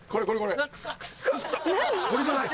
これじゃない？